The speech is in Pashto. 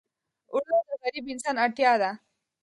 اوړه د غریب انسان اړتیا ده